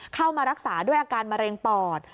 เข้ามารักษาด้วยอาการมะเร็งปอด